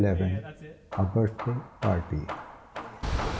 A BIRTHDAY PARTY.